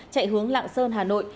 chạy hướng lạng sơn hà nội